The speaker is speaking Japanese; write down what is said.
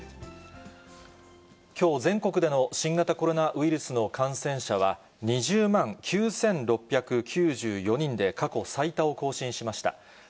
きょう、全国での新型コロナウイルスの感染者は、２０万９６９４人で過去最多を更新しました。